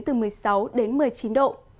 từ một mươi sáu đến một mươi chín độ